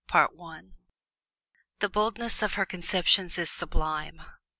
ROSA BONHEUR The boldness of her conceptions is sublime.